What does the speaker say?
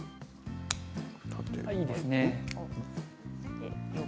いいですね。